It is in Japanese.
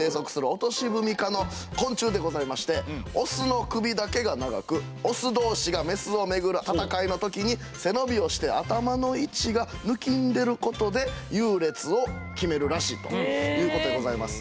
こちらですねオスの首だけが長くオス同士がメスを巡る戦いの時に背伸びをして頭の位置がぬきんでることで優劣を決めるらしいということでございます。